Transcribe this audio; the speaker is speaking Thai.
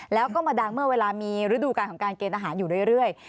แล้วก็มาดังเมื่อเวลามีฤดูการของการเกณฑ์อาหารอยู่เรื่อย